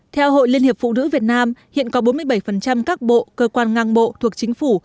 theo hội liên hiệp phụ nữ việt nam hiện có bốn mươi bảy các bộ cơ quan ngang bộ thuộc chính phủ